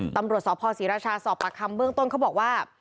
ตำรวจสภศรีราชาสอบปากคำเบื้องต้นเขาบอกว่า